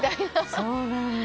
そうなんだ。